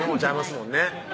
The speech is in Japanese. もんね